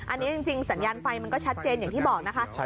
อันนี้จริงสัญญาณไฟมันก็ชัดเจนอย่างที่บอกนะคะ